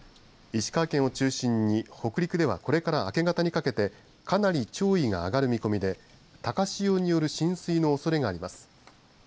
石川県を中心に北陸ではこれから明け方にかけてかなり潮位が上がる見込みで高潮による浸水のおそれがあります。